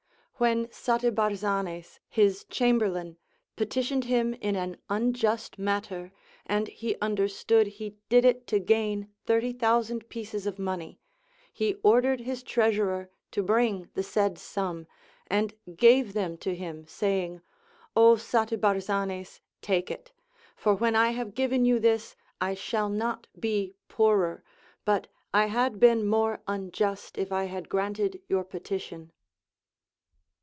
AVhen Satibar zanes, his chamberlain, petitioned him in an unjust matter, and he understood he did it to gain thirty thousand pieces 188 THE APOPHTHEGMS OF KINGS of money, he ordered his treasurer to bring the said sum, and gave them to him, saying : Ο Satibarzanes ! take it ; for when I have given you this, I shall not be poorer, but I had been more unjust if I had granted your petition.